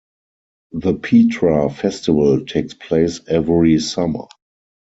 The Petra Festival takes place every summer.